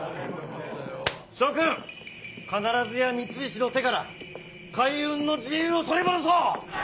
諸君必ずや三菱の手から海運の自由を取り戻そう！